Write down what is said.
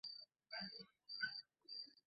জগতের কল্যাণ করা ভাল কথা।